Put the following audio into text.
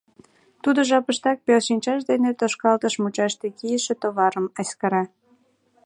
Тудо жапыштак пел шинчаж дене тошкалтыш мучаште кийыше товарым эскера.